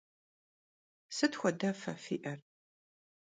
Sıt xuedefe fi'er?